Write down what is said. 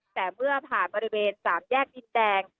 แต่เมื่อผ่านบริเวณสามแยกดินแดง